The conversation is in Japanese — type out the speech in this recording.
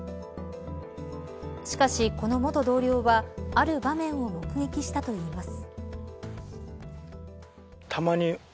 しかし、この元同僚はある場面を目撃したといいます。